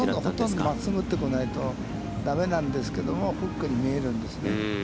いや、ほとんどまっすぐ打ってこないと、だめなんですけども、フックに見えるんですね。